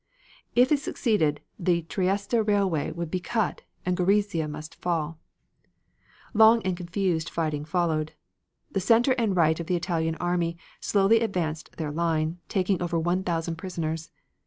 If it succeeded the Trieste railway would be cut and Gorizia must fall. Long and confused fighting followed. The center and the right of the Italian army slowly advanced their line, taking over one thousand prisoners.